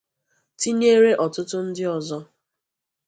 tinyére ọtụtụ ndị ọzọ.